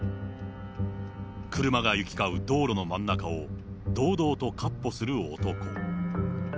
車が行き交う道路の真ん中を、堂々とかっ歩する男。